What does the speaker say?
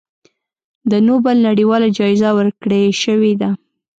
د نوبل نړیواله جایزه ورکړی شوې ده.